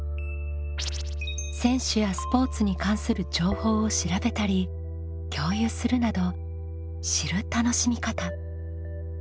選手やスポーツに関する情報を調べたり共有するなど「知る」楽しみ方。